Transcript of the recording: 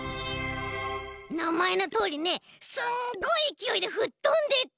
なまえのとおりねすんごいいきおいでふっとんでった！